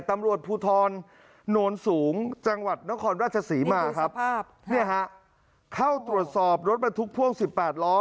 ตำรวจภูทรนนท์สูงจังหวัดนครราชสีมาครับนี่ครับเข้าตรวจสอบรถพ่วงสิบแปดล้อ